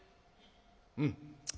「うん。